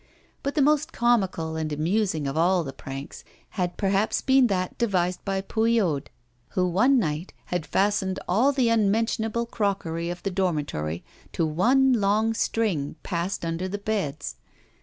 But the most comical and amusing of all the pranks had perhaps been that devised by Pouillaud, who one night had fastened all the unmentionable crockery of the dormitory to one long string passed under the beds.